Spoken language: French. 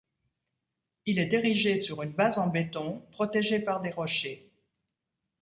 Il est érigé sur une base en béton protégée par des rochers.